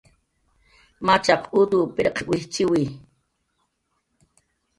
Machaq utw pirq wijchiwi